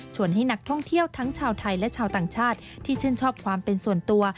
ให้นักท่องเที่ยวทั้งชาวไทยและชาวต่างชาติที่ชื่นชอบความเป็นส่วนตัว